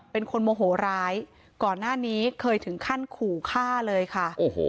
เป็นคนโมโหร้ายก่อนหน้านี้เคยถึงขั้นขู่ฆ่าเลยค่ะ